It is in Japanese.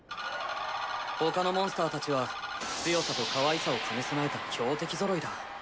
他のモンスターたちは強さとかわいさを兼ね備えた強敵ぞろいだ。